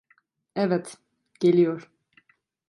Evet, geliyor.